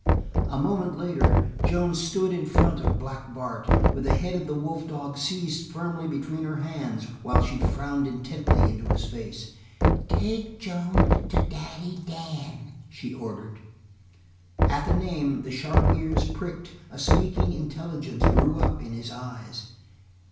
A moment later, Joan stood in front of Black Bart, with the head of the wolf dog seized firmly between her hands while she frowned intently into his face. "Take Joan to Daddy Dan," she ordered. At the name, the sharp ears pricked; a speaking intelligence grew up in his eyes.